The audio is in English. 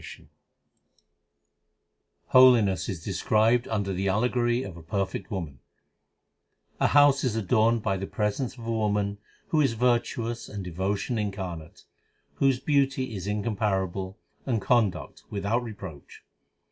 278 THE SIKH RELIGION Holiness is described under the allegory of a perfect woman : A house is adorned by the presence of A woman who is virtuous and devotion incarnate, Whose beauty is incomparable, and conduct without reproach.